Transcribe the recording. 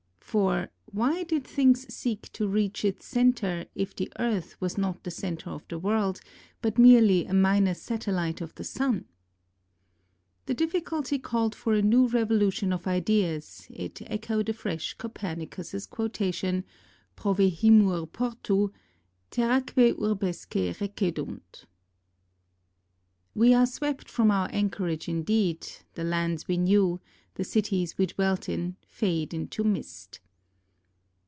For, why did things seek to reach its centre if the Earth was not the centre of the world, but merely a minor satellite of the Sun ? The difficulty called for a new revolution of ideas, it echoed afresh Copernicus's quotation provehimur portu, terraeque urbesque recedunt. We are swept from our anchorage indeed, the lands we knew, the cities we dwelt in, fade into mist.